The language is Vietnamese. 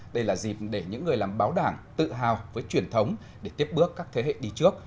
đây là dịp để những người làm báo đảng tự hào với truyền thống để tiếp bước các thế hệ đi trước